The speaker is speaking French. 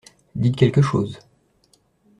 Dites quelque chose.